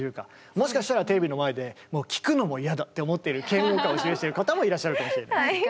もしかしたらテレビの前でもう聴くのも嫌だって思っている嫌悪感を示している方もいらっしゃるかもしれない。